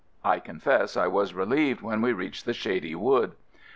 I con fess I was relieved when we reached the shady wood.